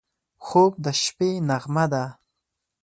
خوب د شپه نغمه ده